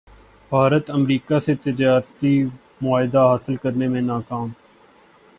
Bharat America سے تجارتی معاہدہ حاصل کرنے میں ناکام